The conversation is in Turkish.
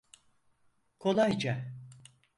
Kolayca.